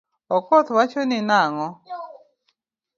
Okoth wachoni nango?